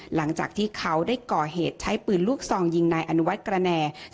หลังจากที่เขาได้ก่อเหตุใช้ปืนลูกซองยิงนายอนุวัฒน์กระแน